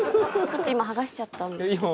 ちょっと今剥がしちゃったんですけど。